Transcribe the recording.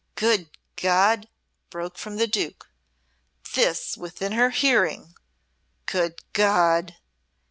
"Good God!" broke from the Duke. "This within her hearing! Good God!"